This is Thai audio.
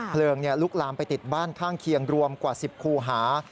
เพลิงลุกลามไปติดบ้านข้างเคียงรวมกว่า๑๐คูหา